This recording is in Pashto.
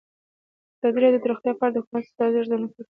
ازادي راډیو د روغتیا په اړه د حکومتي ستراتیژۍ ارزونه کړې.